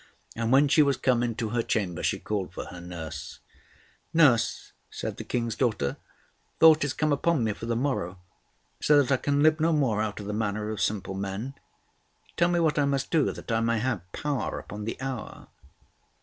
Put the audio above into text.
And when she was come into her chamber she called for her nurse. "Nurse," said the King's daughter, "thought is come upon me for the morrow, so that I can live no more after the manner of simple men. Tell me what I must do that I may have power upon the hour."